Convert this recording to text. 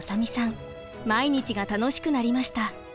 毎日が楽しくなりました。